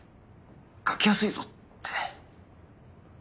書きやすいぞ」って。